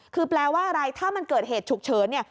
คือแปลว่าอะไรถ้ามันเกิดเหตุฉุกเฉินเนี่ย